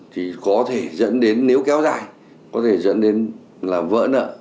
thì có thể dẫn đến nếu kéo dài có thể dẫn đến là vỡ nợ